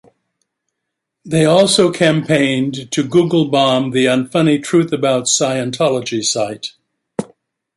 They also campaigned to Google bomb "The Unfunny Truth About Scientology" site.